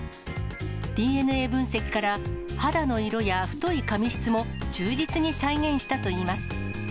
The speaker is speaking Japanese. ＤＮＡ分析から、肌の色や太い髪質も忠実に再現したといいます。